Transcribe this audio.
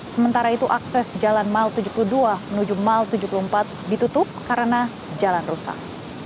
sementara itu akses jalan mal tujuh puluh dua menuju mal tujuh puluh empat ditutup karena jalan rusak